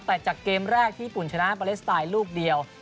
แต่จากเกมแรกที่ญี่ปุ่นชนะปาเลสไตน์ลูกเดียว